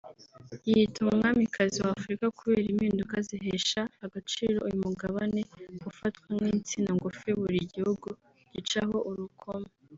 yiyita umwamikazi wa Afurika kubera impinduka zihesha agaciro uyu Mugabane ufatwa nk’insina ngufi buri gihugu gicaho urukoma